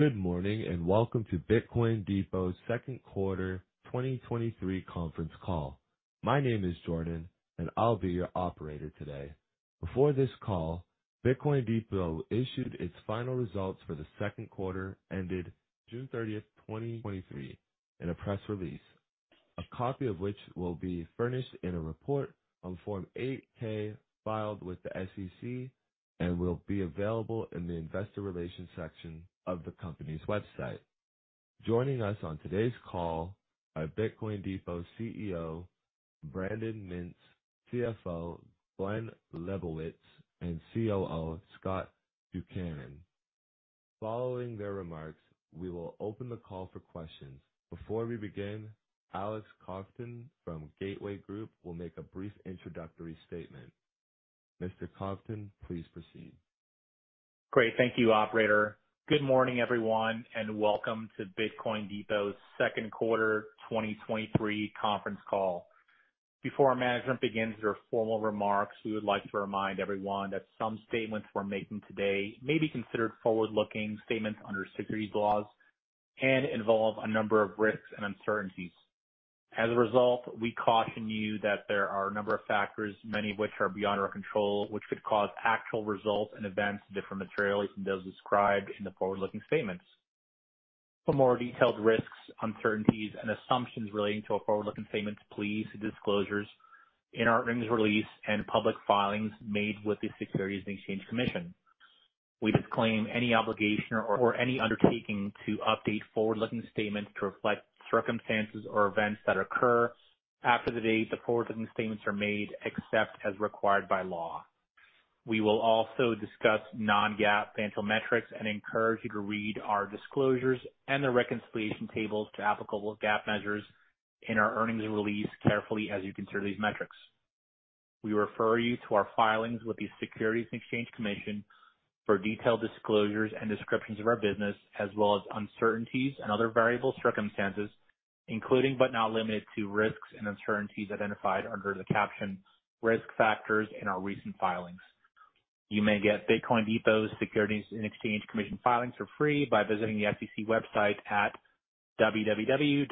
Good morning, and welcome to Bitcoin Depot's second quarter 2023 conference call. My name is Jordan, and I'll be your operator today. Before this call, Bitcoin Depot issued its final results for the second quarter, ended June 30th, 2023, in a press release. A copy of which will be furnished in a report on Form 8-K, filed with the SEC and will be available in the investor relations section of the company's website. Joining us on today's call are Bitcoin Depot's CEO, Brandon Mintz, CFO, Glen Leibowitz, and COO, Scott Buchanan. Following their remarks, we will open the call for questions. Before we begin, Alex Kovtun from Gateway Group will make a brief introductory statement. Mr. Kovtun, please proceed. Great. Thank you, operator. Good morning, everyone, and welcome to Bitcoin Depot's second quarter 2023 conference call. Before management begins their formal remarks, we would like to remind everyone that some statements we're making today may be considered forward-looking statements under securities laws and involve a number of risks and uncertainties. As a result, we caution you that there are a number of factors, many of which are beyond our control, which could cause actual results and events to differ materially from those described in the forward-looking statements. For more detailed risks, uncertainties, and assumptions relating to forward-looking statements, please see disclosures in our earnings release and public filings made with the Securities and Exchange Commission. We disclaim any obligation or any undertaking to update forward-looking statements to reflect circumstances or events that occur after the date the forward-looking statements are made, except as required by law. We will also discuss non-GAAP financial metrics and encourage you to read our disclosures and the reconciliation tables to applicable GAAP measures in our earnings release carefully as you consider these metrics. We refer you to our filings with the Securities and Exchange Commission for detailed disclosures and descriptions of our business, as well as uncertainties and other variable circumstances, including, but not limited to, risks and uncertainties identified under the caption "Risk Factors" in our recent filings. You may get Bitcoin Depot's Securities and Exchange Commission filings for free by visiting the SEC website at www.sec.gov.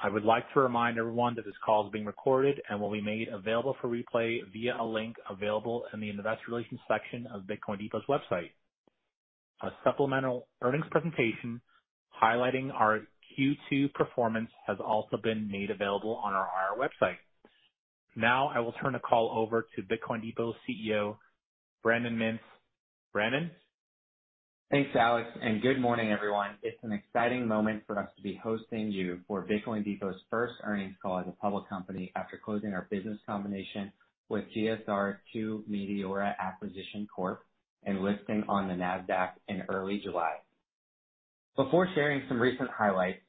I would like to remind everyone that this call is being recorded and will be made available for replay via a link available in the investor relations section of Bitcoin Depot's website. A supplemental earnings presentation highlighting our Q2 performance has also been made available on our IR website. Now, I will turn the call over to Bitcoin Depot's CEO, Brandon Mintz. Brandon? Thanks, Alex. Good morning, everyone. It's an exciting moment for us to be hosting you for Bitcoin Depot's first earnings call as a public company after closing our business combination with GSR II Meteora Acquisition Corp and listing on the Nasdaq in early July. Before sharing some recent highlights,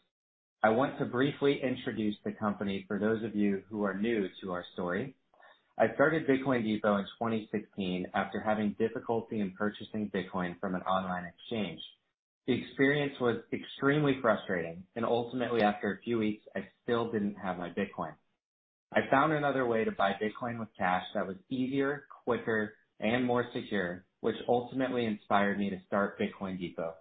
I want to briefly introduce the company for those of you who are new to our story. I started Bitcoin Depot in 2016 after having difficulty in purchasing Bitcoin from an online exchange. The experience was extremely frustrating and ultimately, after a few weeks, I still didn't have my Bitcoin. I found another way to buy Bitcoin with cash that was easier, quicker, and more secure, which ultimately inspired me to start Bitcoin Depot.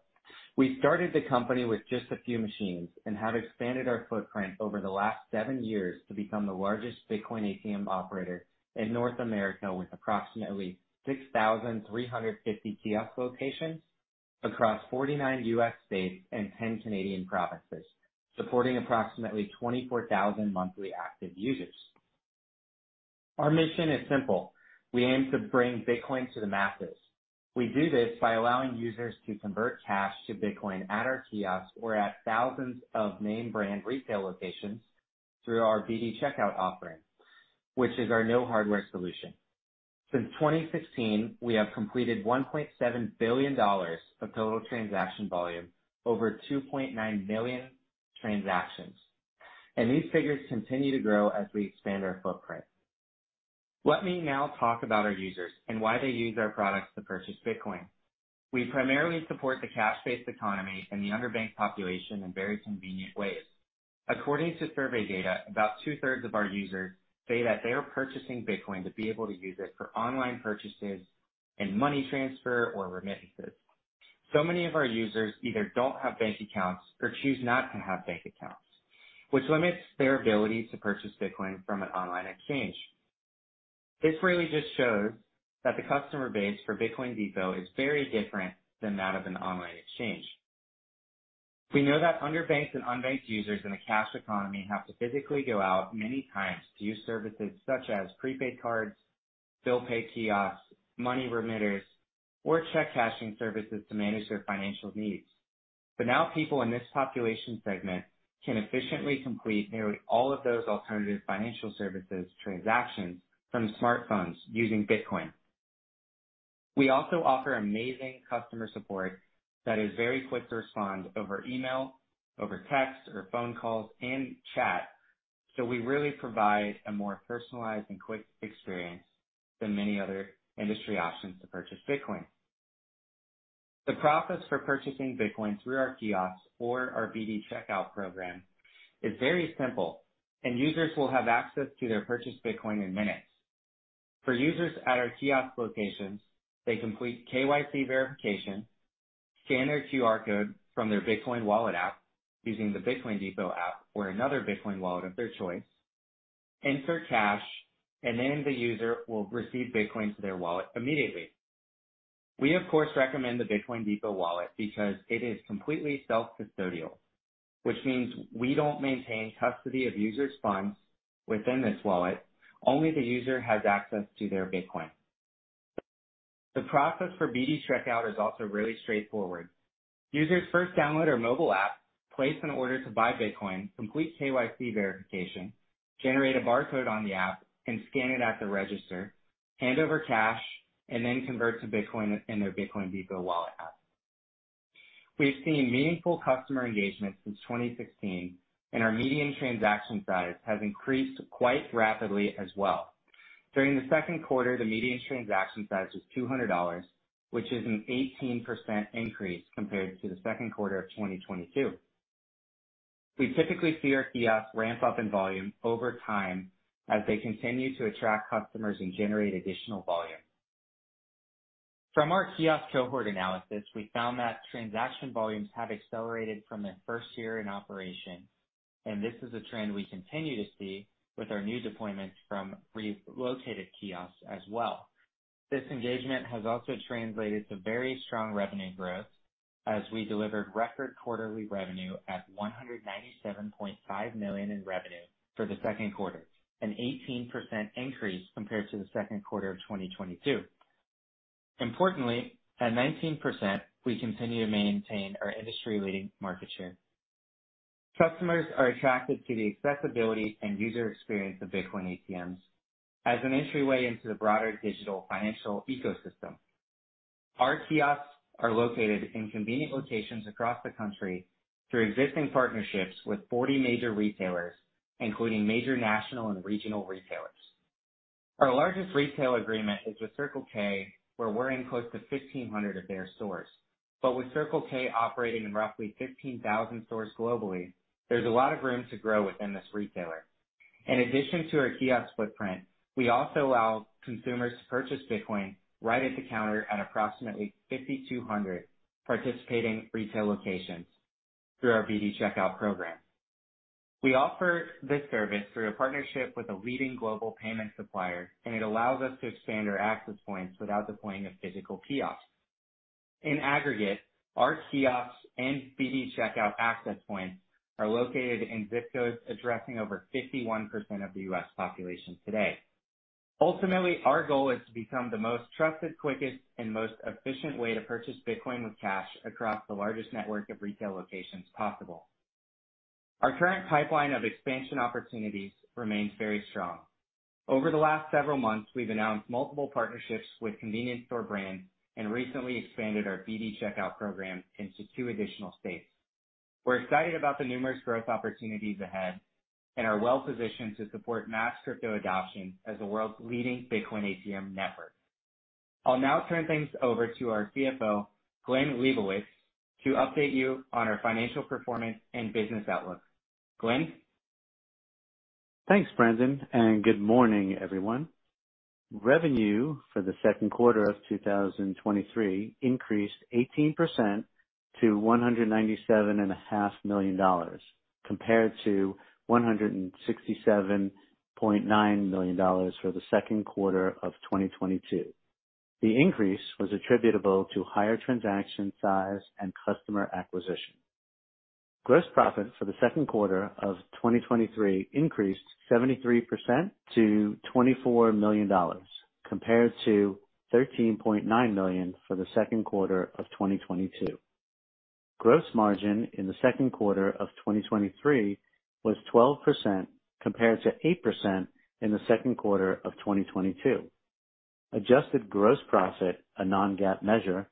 We started the company with just a few machines and have expanded our footprint over the last seven years to become the largest Bitcoin ATM operator in North America, with approximately 6,350 kiosk locations across 49 U.S. states and 10 Canadian provinces, supporting approximately 24,000 monthly active users. Our mission is simple: We aim to bring Bitcoin to the masses. We do this by allowing users to convert cash to Bitcoin at our kiosks or at thousands of name brand retail locations through our BD Checkout offering, which is our no hardware solution. Since 2016, we have completed $1.7 billion of total transaction volume over 2.9 million transactions, these figures continue to grow as we expand our footprint. Let me now talk about our users and why they use our products to purchase Bitcoin. We primarily support the cash-based economy and the underbanked population in very convenient ways. According to survey data, about two-thirds of our users say that they are purchasing Bitcoin to be able to use it for online purchases and money transfer or remittances. Many of our users either don't have bank accounts or choose not to have bank accounts, which limits their ability to purchase Bitcoin from an online exchange. This really just shows that the customer base for Bitcoin Depot is very different than that of an online exchange. We know that underbanked and unbanked users in a cash economy have to physically go out many times to use services such as prepaid cards, bill pay kiosks, money remitters, or check cashing services to manage their financial needs. Now people in this population segment can efficiently complete nearly all of those alternative financial services transactions from smartphones using Bitcoin. We also offer amazing customer support that is very quick to respond over email, over text, or phone calls and chat, so we really provide a more personalized and quick experience than many other industry options to purchase Bitcoin. The process for purchasing Bitcoin through our kiosks or our BD Checkout program is very simple, and users will have access to their purchased Bitcoin in minutes. For users at our kiosk locations, they complete KYC verification, scan their QR code from their Bitcoin wallet app using the Bitcoin Depot app or another Bitcoin wallet of their choice, insert cash, and then the user will receive Bitcoin to their wallet immediately. We, of course, recommend the Bitcoin Depot wallet because it is completely self-custodial, which means we don't maintain custody of users' funds within this wallet. Only the user has access to their Bitcoin. The process for BD Checkout is also really straightforward. Users first download our mobile app, place an order to buy Bitcoin, complete KYC verification, generate a barcode on the app and scan it at the register, hand over cash, and then convert to Bitcoin in their Bitcoin Depot wallet app. We've seen meaningful customer engagement since 2016, and our median transaction size has increased quite rapidly as well. During the second quarter, the median transaction size was $200, which is an 18% increase compared to the second quarter of 2022. We typically see our kiosks ramp up in volume over time as they continue to attract customers and generate additional volume. From our kiosk cohort analysis, we found that transaction volumes have accelerated from their first year in operation, and this is a trend we continue to see with our new deployments from relocated kiosks as well. This engagement has also translated to very strong revenue growth as we delivered record quarterly revenue at $197.5 million in revenue for the second quarter, an 18% increase compared to the second quarter of 2022. Importantly, at 19%, we continue to maintain our industry-leading market share. Customers are attracted to the accessibility and user experience of Bitcoin ATMs as an entryway into the broader digital financial ecosystem. Our kiosks are located in convenient locations across the country through existing partnerships with 40 major retailers, including major national and regional retailers. Our largest retail agreement is with Circle K, where we're in close to 1,500 of their stores. With Circle K operating in roughly 15,000 stores globally, there's a lot of room to grow within this retailer. In addition to our kiosk footprint, we also allow consumers to purchase Bitcoin right at the counter at approximately 5,200 participating retail locations through our BD Checkout program. We offer this service through a partnership with a leading global payment supplier, it allows us to expand our access points without deploying a physical kiosk. In aggregate, our kiosks and BD Checkout access points are located in zip codes addressing over 51% of the U.S. population today. Ultimately, our goal is to become the most trusted, quickest, and most efficient way to purchase Bitcoin with cash across the largest network of retail locations possible. Our current pipeline of expansion opportunities remains very strong. Over the last several months, we've announced multiple partnerships with convenience store brands and recently expanded our BD Checkout program into two additional states. We're excited about the numerous growth opportunities ahead and are well positioned to support mass crypto adoption as the world's leading Bitcoin ATM network. I'll now turn things over to our CFO, Glen Leibowitz, to update you on our financial performance and business outlook. Glen? Thanks, Brandon, good morning, everyone. Revenue for the second quarter of 2023 increased 18% to $197.5 million, compared to $167.9 million for the second quarter of 2022. The increase was attributable to higher transaction size and customer acquisition. Gross profit for the second quarter of 2023 increased 73% to $24 million, compared to $13.9 million for the second quarter of 2022. Gross margin in the second quarter of 2023 was 12%, compared to 8% in the second quarter of 2022. Adjusted gross profit, a non-GAAP measure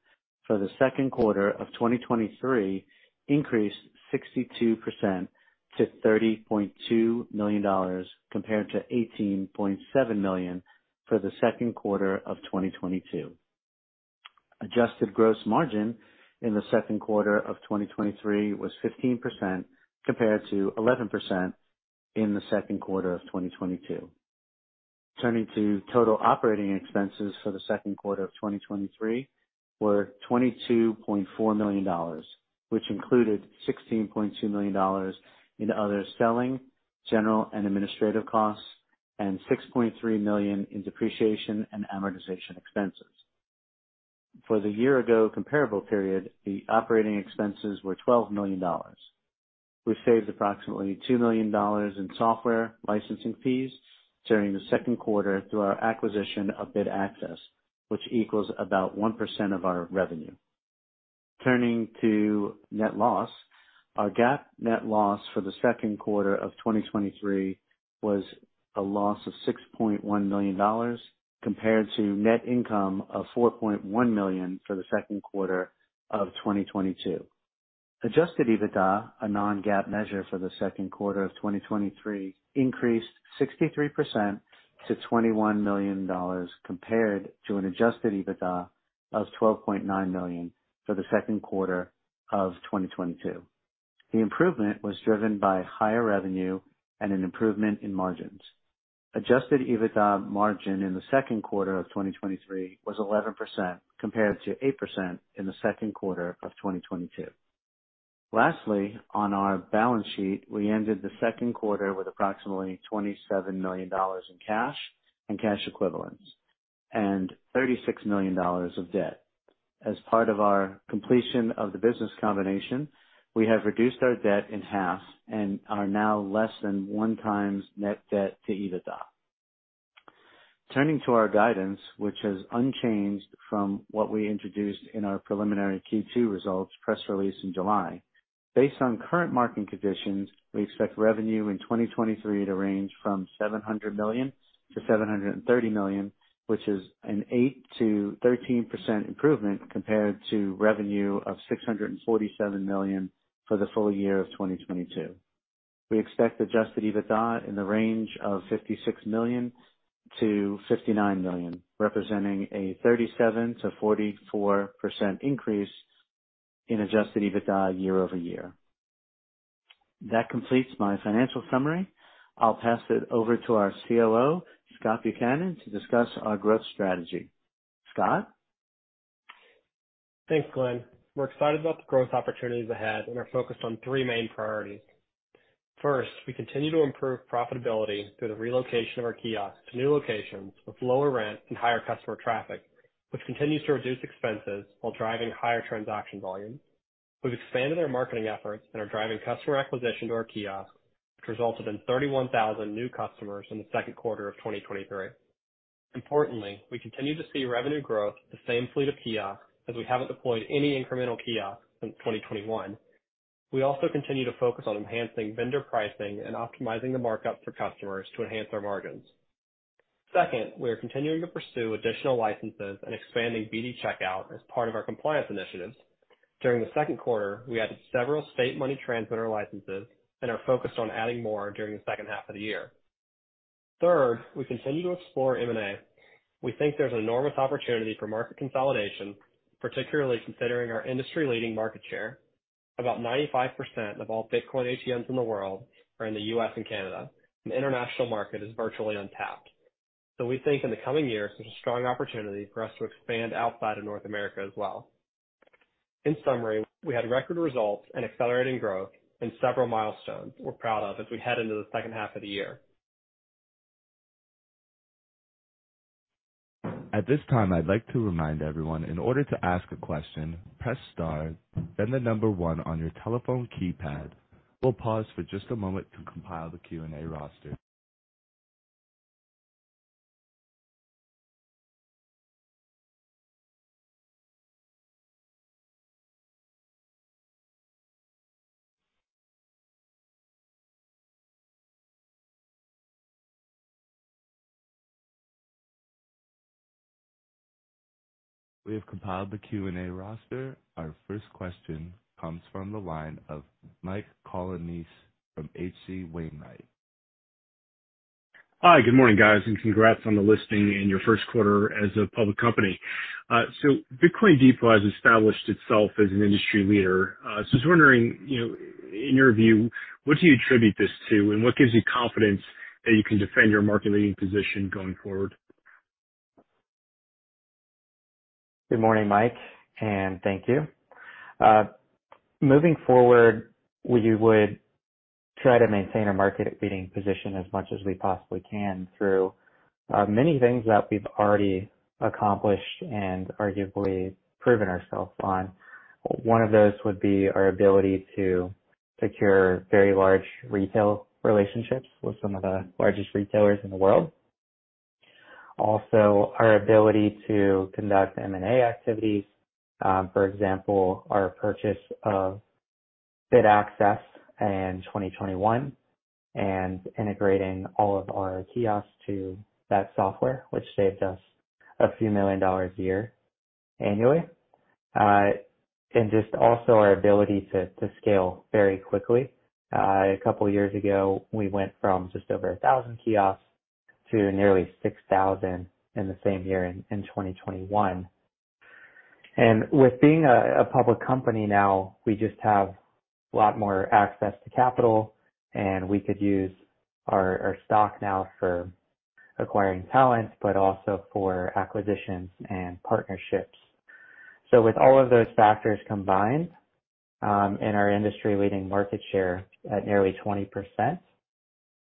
for the second quarter of 2023 increased 62% to $30.2 million, compared to $18.7 million for the second quarter of 2022. Adjusted gross margin in the second quarter of 2023 was 15%, compared to 11% in the second quarter of 2022. Turning to total operating expenses for the second quarter of 2023 were $22.4 million, which included $16.2 million in other selling, general and administrative costs, and $6.3 million in depreciation and amortization expenses. For the year-ago comparable period, the operating expenses were $12 million. We saved approximately $2 million in software licensing fees during the second quarter through our acquisition of Bitaccess Inc, which equals about 1% of our revenue. Turning to net loss. Our GAAP net loss for the second quarter of 2023 was a loss of $6.1 million, compared to net income of $4.1 million for the second quarter of 2022. Adjusted EBITDA, a non-GAAP measure for the second quarter of 2023, increased 63% to $21 million, compared to an Adjusted EBITDA of $12.9 million for the second quarter of 2022. The improvement was driven by higher revenue and an improvement in margins. Adjusted EBITDA margin in the second quarter of 2023 was 11%, compared to 8% in the second quarter of 2022. Lastly, on our balance sheet, we ended the second quarter with approximately $27 million in cash and cash equivalents, and $36 million of debt. As part of our completion of the business combination, we have reduced our debt in half and are now less than 1x net debt to EBITDA. Turning to our guidance, which is unchanged from what we introduced in our preliminary Q2 results press release in July. Based on current market conditions, we expect revenue in 2023 to range from $700 million-$730 million, which is an 8%-13% improvement compared to revenue of $647 million for the full year of 2022. We expect Adjusted EBITDA in the range of $56 million-$59 million, representing a 37%-44% increase in Adjusted EBITDA year-over-year. That completes my financial summary. I'll pass it over to our COO, Scott Buchanan, to discuss our growth strategy. Scott? Thanks, Glen. We're excited about the growth opportunities ahead and are focused on three main priorities. First, we continue to improve profitability through the relocation of our kiosks to new locations with lower rent and higher customer traffic, which continues to reduce expenses while driving higher transaction volume. We've expanded our marketing efforts and are driving customer acquisition to our kiosks, which resulted in 31,000 new customers in the second quarter of 2023. Importantly, we continue to see revenue growth with the same fleet of kiosks as we haven't deployed any incremental kiosks since 2021. We also continue to focus on enhancing vendor pricing and optimizing the markup for customers to enhance our margins. Second, we are continuing to pursue additional licenses and expanding BD Checkout as part of our compliance initiatives. During the second quarter, we added several state money transmitter licenses and are focused on adding more during the second half of the year. We continue to explore M&A. We think there's an enormous opportunity for market consolidation, particularly considering our industry-leading market share. About 95% of all Bitcoin ATMs in the world are in the U.S. and Canada. The international market is virtually untapped. We think in the coming years, there's a strong opportunity for us to expand outside of North America as well. In summary, we had record results and accelerating growth and several milestones we're proud of as we head into the second half of the year. At this time, I'd like to remind everyone, in order to ask a question, press star, then 1 on your telephone keypad. We'll pause for just a moment to compile the Q&A roster. We have compiled the Q&A roster. Our first question comes from the line of Mike Colonnese from H.C. Wainwright. Hi, good morning, guys, and congrats on the listing in your first quarter as a public company. Bitcoin Depot has established itself as an industry leader. I was wondering, you know, in your view, what do you attribute this to, and what gives you confidence that you can defend your market-leading position going forward? Good morning, Mike, and thank you. Moving forward, we would try to maintain a market-leading position as much as we possibly can through many things that we've already accomplished and arguably proven ourselves on. One of those would be our ability to secure very large retail relationships with some of the largest retailers in the world. Also, our ability to conduct M&A activities. For example, our purchase of BitAccess in 2021 and integrating all of our kiosks to that software, which saved us a few million dollars a year annually. And just also our ability to scale very quickly. A couple of years ago, we went from just over 1,000 kiosks to nearly 6,000 in the same year in 2021. With being a public company now, we just have a lot more access to capital, and we could use our stock now for acquiring talent, but also for acquisitions and partnerships. With all of those factors combined, and our industry-leading market share at nearly 20%,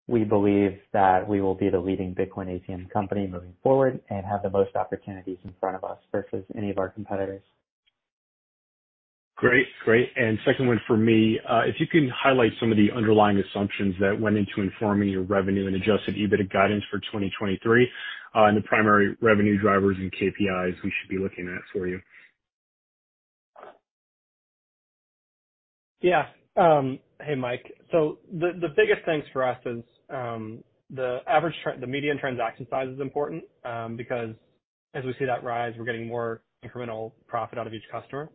we believe that we will be the leading Bitcoin ATM company moving forward and have the most opportunities in front of us versus any of our competitors. Great. Second one for me. If you can, highlight some of the underlying assumptions that went into informing your revenue and Adjusted EBITDA guidance for 2023, and the primary revenue drivers and KPIs we should be looking at for you. Mike. The biggest things for us is the average the median transaction size is important because as we see that rise, we're getting more incremental profit out of each customer.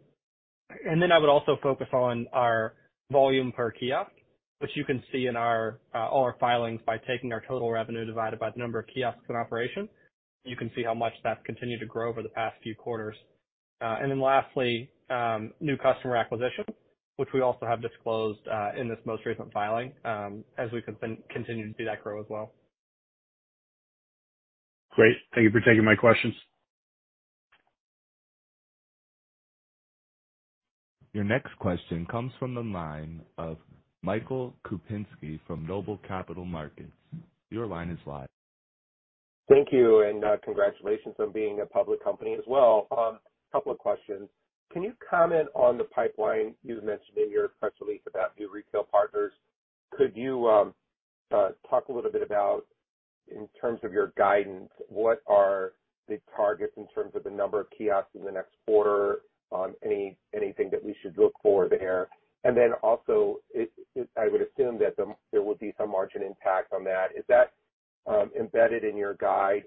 Then I would also focus on our volume per kiosk, which you can see in our all our filings by taking our total revenue divided by the number of kiosks in operation. You can see how much that's continued to grow over the past few quarters. Then lastly, new customer acquisition, which we also have disclosed in this most recent filing, as we continue to see that grow as well. Great. Thank you for taking my questions. Your next question comes from the line of Michael Kupinski from Noble Capital Markets. Your line is live. Thank you. Congratulations on being a public company as well. A couple of questions. Can you comment on the pipeline you mentioned in your press release about new retail partners? Could you talk a little bit about, in terms of your guidance, what are the targets in terms of the number of kiosks in the next quarter? Anything that we should look for there? Then also, I would assume that there would be some margin impact on that. Is that embedded in your guide?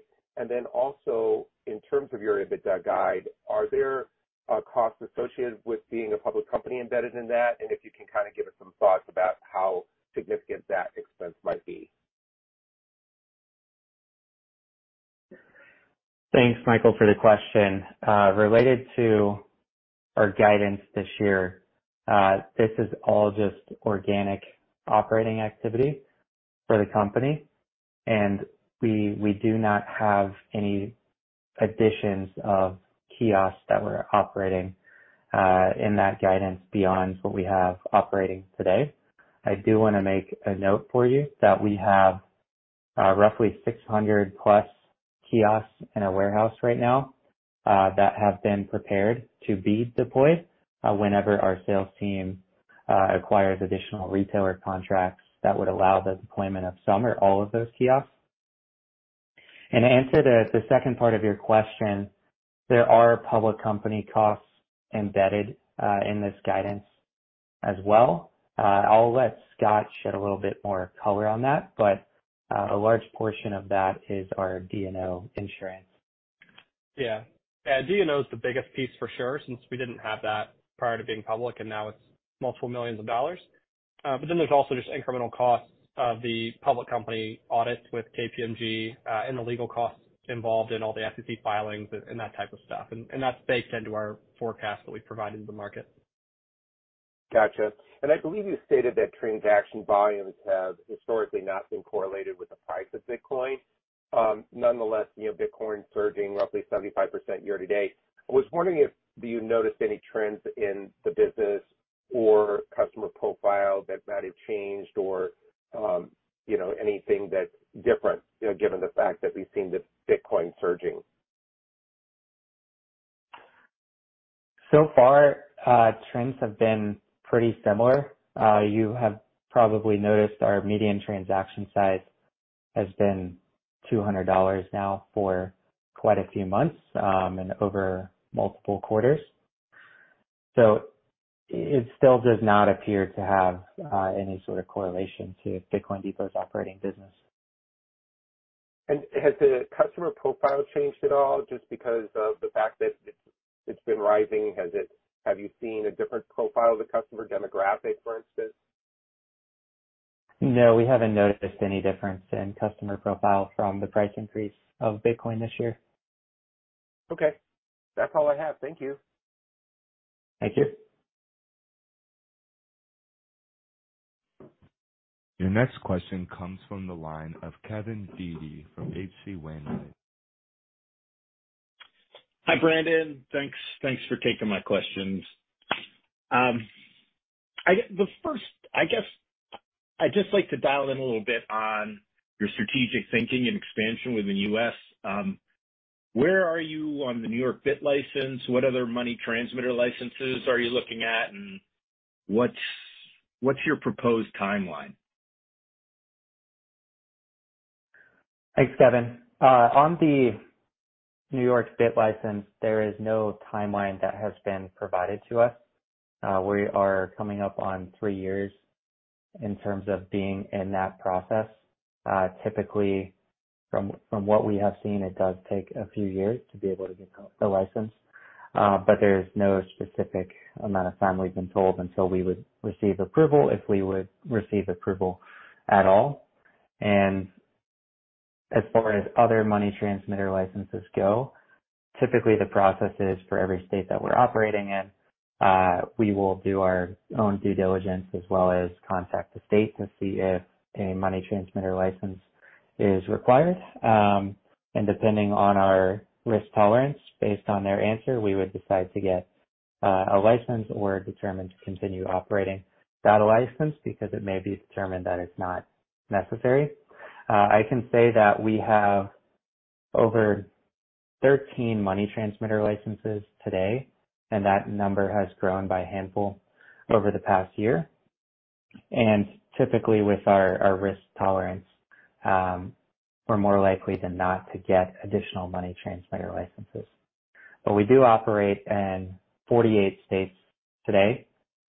Then also, in terms of your EBITDA guide, are there costs associated with being a public company embedded in that? If you can kind of give us some thoughts about how significant that expense might be. Thanks, Michael, for the question. Related to our guidance this year, this is all just organic operating activity for the company, and we, we do not have any additions of kiosks that we're operating, in that guidance beyond what we have operating today. I do wanna make a note for you that we have, roughly 600+ kiosks in a warehouse right now, that have been prepared to be deployed, whenever our sales team, acquires additional retailer contracts that would allow the deployment of some or all of those kiosks. To answer the, the second part of your question, there are public company costs embedded, in this guidance as well. I'll let Scott shed a little bit more color on that, but, a large portion of that is our D&O insurance. D&O is the biggest piece for sure, since we didn't have that prior to being public, and now it's multiple millions of dollars. Then there's also just incremental costs of the public company audit with KPMG, and the legal costs involved in all the SEC filings and that type of stuff. That's baked into our forecast that we provided to the market. Gotcha. I believe you stated that transaction volumes have historically not been correlated with the price of Bitcoin. Nonetheless, you know, Bitcoin surging roughly 75% year to date. I was wondering if, do you notice any trends in the business or customer profile that might have changed or, you know, anything that's different, you know, given the fact that we've seen the Bitcoin surging? Far, trends have been pretty similar. You have probably noticed our median transaction size has been $200 now for quite a few months, and over multiple quarters. It still does not appear to have any sort of correlation to Bitcoin Depot's operating business. Has the customer profile changed at all just because of the fact that it's been rising? Have you seen a different profile of the customer demographic, for instance? No, we haven't noticed any difference in customer profile from the price increase of Bitcoin this year. That's all I have. Thank you. Thank you. Your next question comes from the line of Kevin Dede from H.C. Wainwright. Hi, Brandon. Thanks for taking my questions. I guess, I'd just like to dial in a little bit on your strategic thinking and expansion within U.S. Where are you on the New York BitLicense? What other money transmitter licenses are you looking at, and what's your proposed timeline? Thanks, Kevin. On the New York BitLicense, there is no timeline that has been provided to us. We are coming up on 3 years in terms of being in that process. Typically, from what we have seen, it does take a few years to be able to get a license. But there's no specific amount of time we've been told until we would receive approval, if we would receive approval at all. As far as other money transmitter licenses go, typically the process is for every state that we're operating in, we will do our own due diligence as well as contact the state to see if a money transmitter license is required. Depending on our risk tolerance, based on their answer, we would decide to get a license or determine to continue operating without a license, because it may be determined that it's not necessary. I can say that we have over 13 money transmitter licenses today, and that number has grown by a handful over the past year. Typically with our, our risk tolerance, we're more likely than not to get additional money transmitter licenses.... We do operate in 48 states today,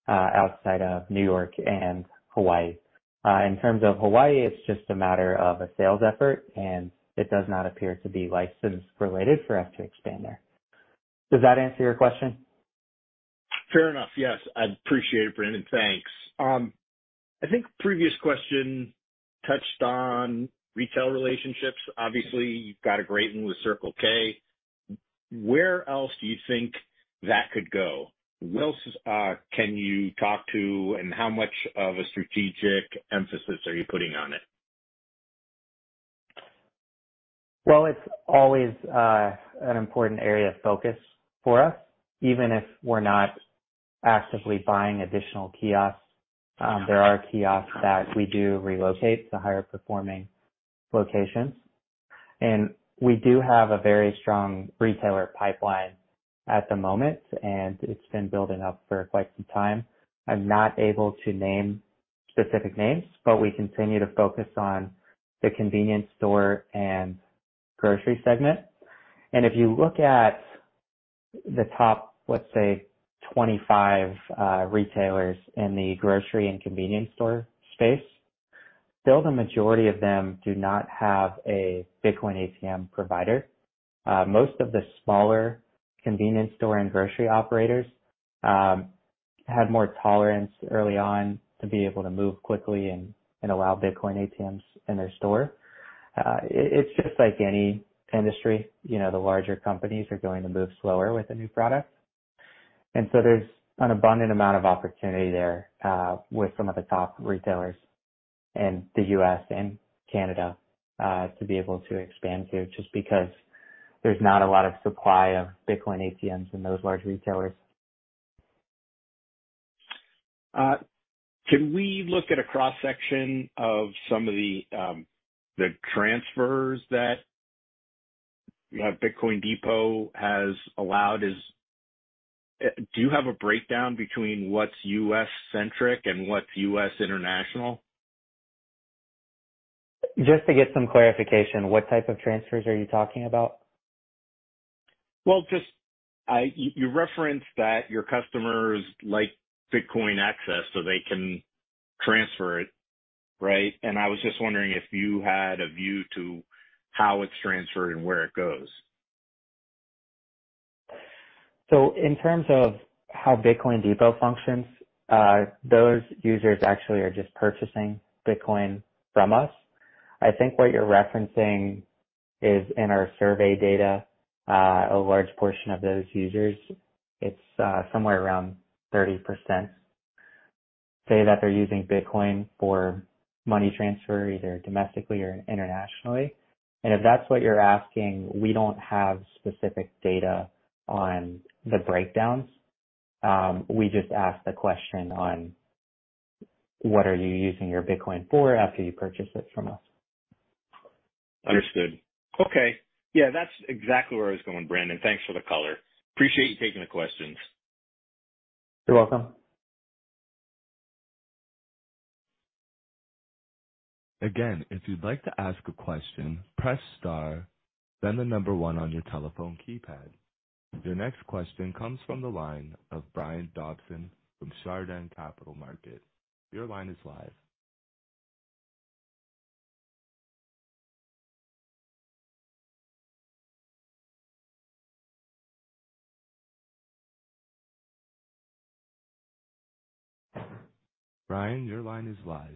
outside of New York and Hawaii. In terms of Hawaii, it's just a matter of a sales effort, and it does not appear to be license related for us to expand there. Does that answer your question? Fair enough. Yes, I appreciate it, Brandon. Thanks. I think previous question touched on retail relationships. Obviously, you've got a great one with Circle K. Where else do you think that could go? Who else, can you talk to, and how much of a strategic emphasis are you putting on it? It's always an important area of focus for us, even if we're not actively buying additional kiosks. There are kiosks that we do relocate to higher performing locations, and we do have a very strong retailer pipeline at the moment, and it's been building up for quite some time. I'm not able to name specific names, but we continue to focus on the convenience store and grocery segment. If you look at the top, let's say, 25 retailers in the grocery and convenience store space, still the majority of them do not have a Bitcoin ATM provider. Most of the smaller convenience store and grocery operators had more tolerance early on to be able to move quickly and allow Bitcoin ATMs in their store. It's just like any industry, you know, the larger companies are going to move slower with a new product. So there's an abundant amount of opportunity there, with some of the top retailers in the U.S. and Canada, to be able to expand to, just because there's not a lot of supply of Bitcoin ATMs in those large retailers. Can we look at a cross-section of some of the transfers that Bitcoin Depot has allowed? Do you have a breakdown between what's U.S.-centric and what's U.S. international? Just to get some clarification, what type of transfers are you talking about? Just, you referenced that your customers like Bitcoin access so they can transfer it, right? I was just wondering if you had a view to how it's transferred and where it goes. In terms of how Bitcoin Depot functions, those users actually are just purchasing Bitcoin from us. I think what you're referencing is in our survey data, a large portion of those users, it's somewhere around 30%, say that they're using Bitcoin for money transfer, either domestically or internationally. If that's what you're asking, we don't have specific data on the breakdowns. We just ask the question on what are you using your Bitcoin for after you purchase it from us? Understood. Okay. That's exactly where I was going, Brandon. Thanks for the color. Appreciate you taking the questions. You're welcome. Again, if you'd like to ask a question, press star, then the number 1 on your telephone keypad. Your next question comes from the line of Brian Dobson from Chardan Capital Markets. Your line is live. Brian, your line is live.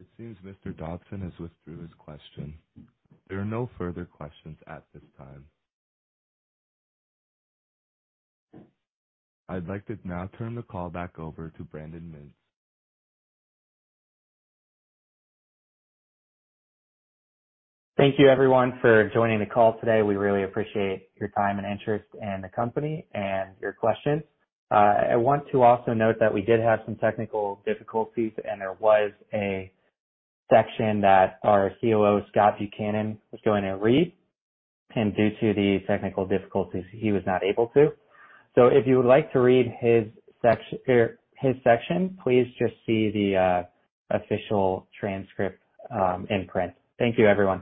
It seems Mr. Dobson has withdrew his question. There are no further questions at this time. I'd like to now turn the call back over to Brandon Mintz. Thank you, everyone, for joining the call today. We really appreciate your time and interest in the company and your questions. I want to also note that we did have some technical difficulties, and there was a section that our COO, Scott Buchanan, was going to read, and due to the technical difficulties, he was not able to. If you would like to read his section, please just see the official transcript in print. Thank you, everyone.